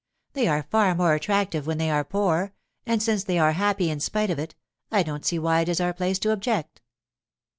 They are far more attractive when they are poor, and since they are happy in spite of it, I don't see why it is our place to object.